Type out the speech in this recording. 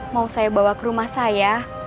mau saya bawa ke rumah saya